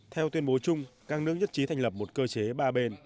theo tuyên bố chung các nước nhất trí thành lập một cơ chế ba bên